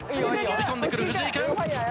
跳び込んでくる藤井君。